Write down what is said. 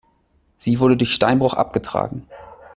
Sie wurde durch Steinbruch abgetragen.